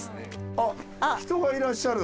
あっ人がいらっしゃる。